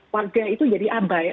warga itu jadi abai